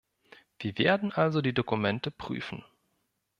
Wir werden also die Dokumente prüfen.